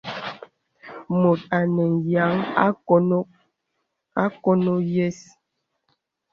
Mùt anə nyìa àkoŋɔ̄ yə̀s.